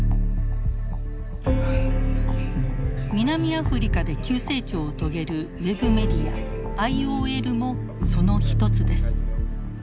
南アフリカで急成長を遂げるウェブメディアＩＯＬもその一つです。